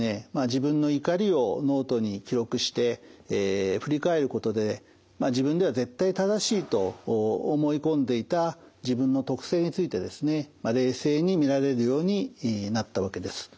自分の怒りをノートに記録して振り返ることで自分では絶対正しいと思い込んでいた自分の特性について冷静に見られるようになったわけです。